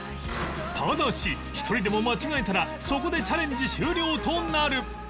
ただし１人でも間違えたらそこでチャレンジ終了となる